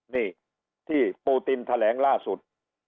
นี่ที่ปูตินแถลงล่าสุด